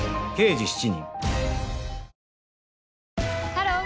ハロー！